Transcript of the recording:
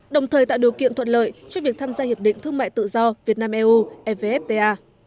đồng thời tạo điều kiện thuận lợi cho việc tham gia hiệp định thương mại tự do việt nam eu evfta